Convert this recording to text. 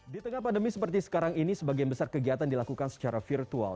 di tengah pandemi seperti sekarang ini sebagian besar kegiatan dilakukan secara virtual